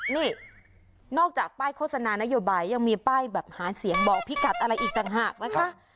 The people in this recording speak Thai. นี่นอกจากป้ายโฆษณานโยบายยังมีป้ายแบบหาเสียงบอกพิกัดอะไรอีกต่างหากนะคะ